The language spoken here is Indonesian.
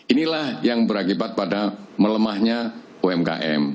inilah yang berakibat pada melemahnya umkm